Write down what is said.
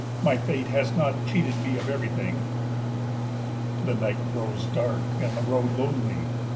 My fate has not cheated me of everything. The night grows dark and the road lonely.